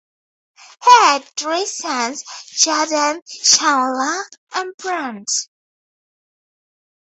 He had three sons, Jordan, Chandler, and Brant.